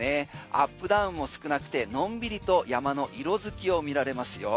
アップダウンも少なくてのんびりと山の色づきを見られますよ。